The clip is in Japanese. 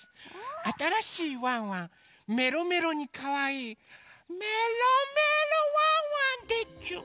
あたらしいワンワンメロメロにかわいいメロメロワンワンでちゅ。